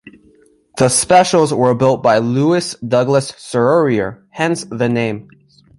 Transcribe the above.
The "specials" were built by Louis Douglas Serrurier, hence the name.